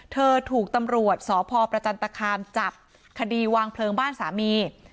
เธอถูกตำรวจสพประจันตคามจับคดีวางเพลิงบ้านสามี